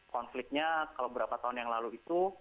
konfliknya kalau beberapa tahun yang lalu itu